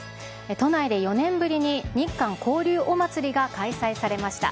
都内で４年ぶりに、日韓交流おまつりが開催されました。